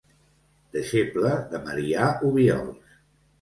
Deixebla de Marià Obiols.